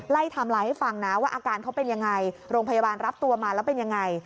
ไทม์ไลน์ให้ฟังนะว่าอาการเขาเป็นยังไงโรงพยาบาลรับตัวมาแล้วเป็นยังไง